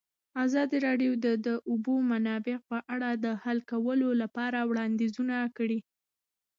ازادي راډیو د د اوبو منابع په اړه د حل کولو لپاره وړاندیزونه کړي.